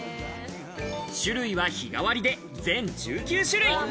種類は日替わりで全１９種類。